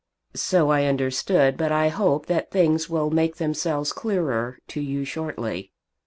"So I understood, but I hope that things will make themselves clearer to you shortly.